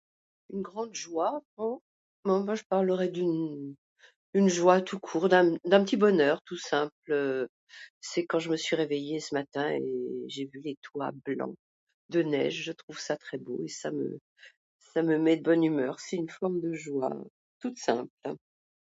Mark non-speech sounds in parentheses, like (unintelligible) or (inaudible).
une grande joie, (unintelligible) je parlerais d'une, une joie tout court, d'un petit bonheur tout simple, (hesitation) c'est quand je me suis réveillée ce matin et j'ai vu les toits blancs de neige, je trouve ça très beau et ça me met de bonne humeur. C'est une forme de joie toute simple.